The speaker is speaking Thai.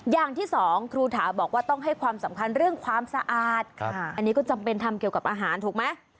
อย่างที่สองครูถาบอกว่าต้องให้ความสำคัญเรื่องความสะอาดอันนี้ก็จำเป็นทำเกี่ยวกับอาหารถูกไหม